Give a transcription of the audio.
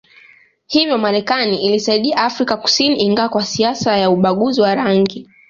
Hivyo Marekani ilisaidia Afrika Kusini ingawa kwa siasa ya ubaguzi wa rangi